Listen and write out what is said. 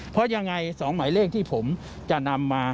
เพราะยังไง๒หมายเลขที่ผมจะนำมา